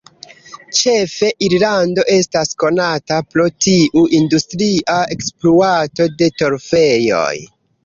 Ĉefe Irlando estas konata pro tiu industria ekspluato de torfejoj.